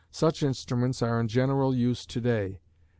Such instruments are in general use to day.